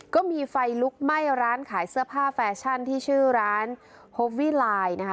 ก็มีไฟลุกไหม้ร้านขายเสื้อผ้าแฟชั่นที่ชื่อร้านฮอปวี่ลายนะคะ